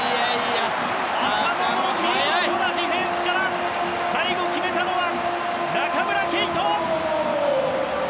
浅野の見事なディフェンスから最後決めたのは、中村敬斗！